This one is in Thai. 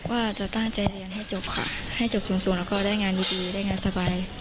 ว่าจะตั้งใจเรียนให้จบค่ะให้จบสูงแล้วก็ได้งานดีได้งานสบาย